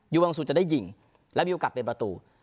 ยูวังสุนิดจะได้หยิงแล้ววิวกลับเป็นประตู